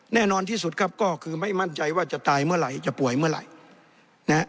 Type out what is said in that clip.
แน่นอนที่สุดครับก็คือไม่มั่นใจว่าจะตายเมื่อไหร่จะป่วยเมื่อไหร่นะฮะ